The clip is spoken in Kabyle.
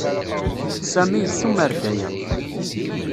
Sami yessumer-d aya.